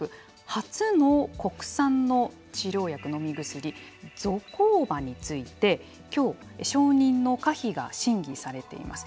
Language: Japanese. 初の国産の治療薬飲み薬ゾコーバについてきょう承認の可否が審議されています。